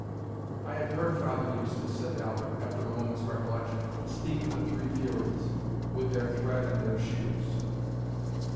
"I have heard Father Eustace," said Halbert, after a moment's recollection, "speak of the three furies, with their thread and their shears."